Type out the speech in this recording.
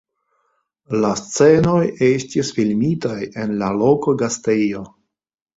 La scenoj estis filmitaj en la loka gastejo.